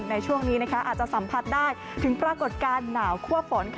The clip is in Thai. ในช่วงนี้อาจจะสัมผัสได้ถึงปรากฏการณ์หนาวคั่วฝน